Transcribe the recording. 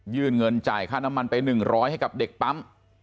เงินจ่ายค่าน้ำมันไป๑๐๐ให้กับเด็กปั๊ม